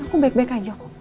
aku baik baik aja kok